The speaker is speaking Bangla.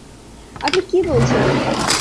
আপনি কী বলছেন?